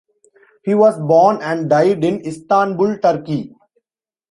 He was born and died in Istanbul, Turkey.